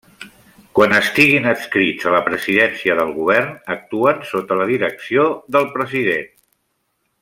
Quan estiguin adscrits a la Presidència del Govern, actuen sota la direcció de President.